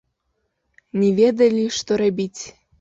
Не ведалі, што рабіць.